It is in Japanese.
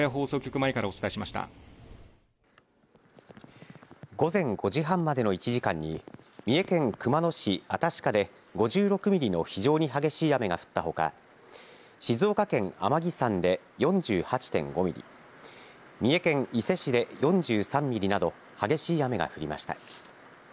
前からお伝え午前５時半までの１時間に三重県熊野市新鹿で５６ミリの非常に激しい雨が降ったほか、静岡県天城山で４８．５ミリ、三重県伊勢市で４３ミリなど、激しい雨が降りました。